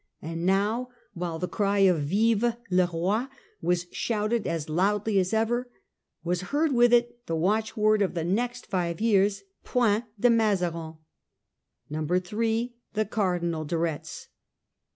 And now, while the cry of 4 Vive le Roi !' was shouted as loudly as ever, was heard with it the watch word of the next five years , 4 Point de Mazarin !* 3. The Cardinal de Retz.